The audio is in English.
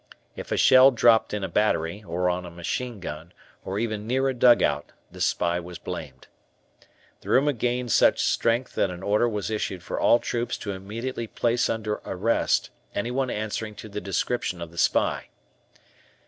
If a shell dropped in a battery, on a machine gun, or even near a dugout, this spy was blamed. The rumor gained such strength that an order was issued for all troops to immediately place under arrest anyone answering to the description of the spy.